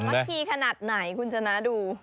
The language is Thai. ๓วันคีย์ขนาดไหนคุณชนะดู